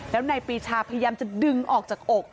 แล้วนายปีชาพยายามจะดึงออกจากอก